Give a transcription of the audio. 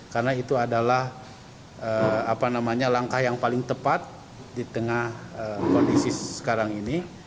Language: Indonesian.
karena itu adalah langkah yang paling tepat di tengah kondisi sekarang ini